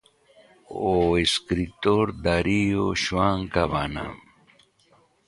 O escritor Darío Xohán Cabana.